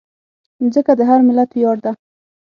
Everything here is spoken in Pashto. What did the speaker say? مځکه د هر ملت ویاړ ده.